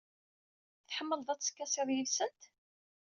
Tḥemmleḍ ad teskasiḍ yid-sent?